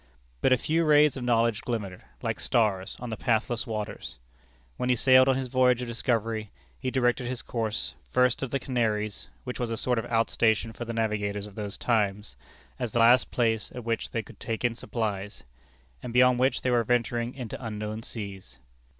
But a few rays of knowledge glimmered, like stars, on the pathless waters. When he sailed on his voyage of discovery, he directed his course, first to the Canaries, which was a sort of outstation for the navigators of those times, as the last place at which they could take in supplies; and beyond which they were venturing into unknown seas.